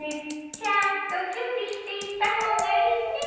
ちゃんと準備していった方がいいね。